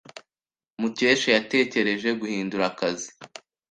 Mukesha yatekereje guhindura akazi.